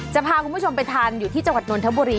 จะพาคุณผู้ชมไปทานอยู่ที่จังหวัดนทบุรี